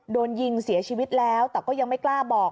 โดนยิงเสียชีวิตแล้วแต่ก็ยังไม่กล้าบอก